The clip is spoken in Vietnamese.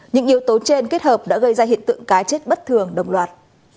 những yếu tố trên kết hợp đã gây ra hiện tượng cá chết bất thường đồng loạt